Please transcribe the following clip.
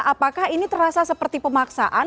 apakah ini terasa seperti pemaksaan